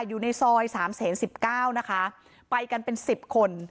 อยู่ในซอยสามเศษสิบเก้านะคะไปกันเป็นสิบคน